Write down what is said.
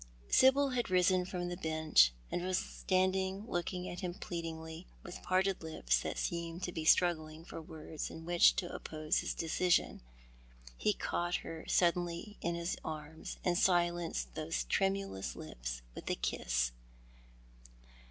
Sibyl had risen from the bench, and was standing looking at nim pleadingly, with parted lips that seemed to be struggling for words in which to oppose his decision. He caught her siuldeuly in his arms, and silenced those tremulous lips with a kiss.